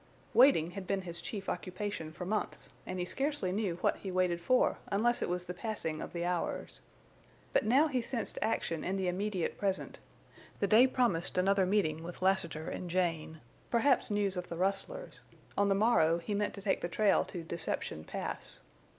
Waiting had been his chief occupation for months, and he scarcely knew what he waited for unless it was the passing of the hours. But now he sensed action in the immediate present; the day promised another meeting with Lassiter and Jane, perhaps news of the rustlers; on the morrow he meant to take the trail to Deception Pass.